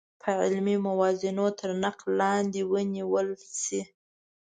په علمي موازینو تر نقد لاندې ونیول شي.